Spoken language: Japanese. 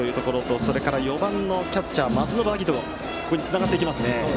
それから４番のキャッチャー松延晶音につながっていきますね。